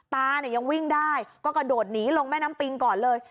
ตาเนี่ยยังวิ่งได้ก็กระโดดหนีลงแม่น้ำปิงก่อนเลย